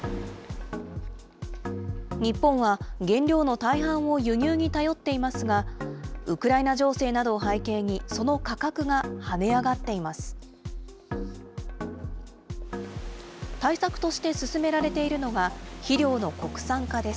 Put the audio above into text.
日本は原料の大半を輸入に頼っていますが、ウクライナ情勢などを背景に、その価格が跳ね上がっています。